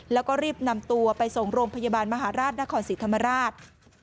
แล้วก็รีบนำตัวไปส่งโรงพยาบาลมหาราชนครศรีธรรมราช